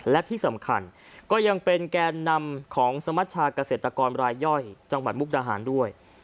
และที่สำคัญก็ยังเป็นแกนนำของสมัชชาเกษตรกรรายย่อยจังหวัดมุกดาหารด้วย